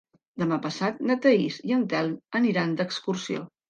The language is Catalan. Demà passat na Thaís i en Telm aniran d'excursió.